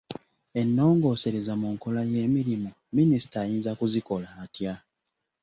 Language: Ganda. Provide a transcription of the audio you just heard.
Ennongoosereza mu nkola y'emirimu ,minisita ayinza kuzikola atya?